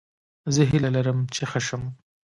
زه هیله لرم چې ښه شم